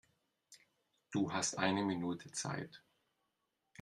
Du hast eine Minute Zeit.